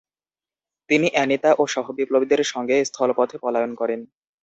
তিনি অ্যানিতা ও সহবিপ্লবীদের সঙ্গে স্থলপথে পলায়ন করেন।